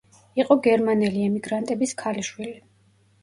იყო გერმანელი ემიგრანტების ქალიშვილი.